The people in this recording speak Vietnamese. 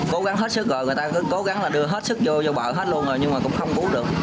cố gắng hết sức rồi người ta cứ cố gắng là đưa hết sức vô cho vợ hết luôn rồi nhưng mà cũng không cứu được